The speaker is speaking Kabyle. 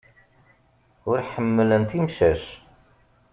Ur ḥemmlent imcac.